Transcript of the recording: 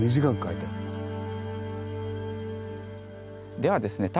ではですねは？え？